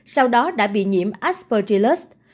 sau đó đã bị nhiễm aspergillus